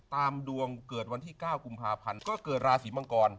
ตามดวงเกิดวันที่๙กุมภาพันธ์ก็เกิดราศีมังกร